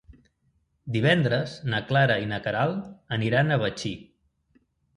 Divendres na Clara i na Queralt aniran a Betxí.